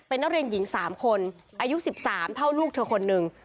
เป็นนักเรียนหญิง๓คนอายุ๑๓เท่าลูกเธอคนหนึ่ง